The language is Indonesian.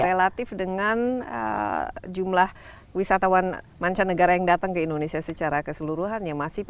relatif dengan jumlah wisatawan mancanegara yang datang ke indonesia secara keseluruhan